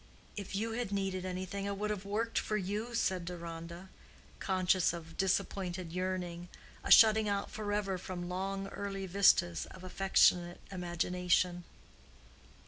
"If you had needed anything I would have worked for you," said Deronda, conscious of disappointed yearning—a shutting out forever from long early vistas of affectionate imagination.